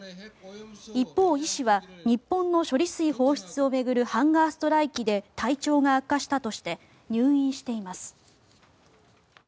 一方、イ氏は日本の処理水放出を巡るハンガーストライキで体調が悪化したとして入院しています。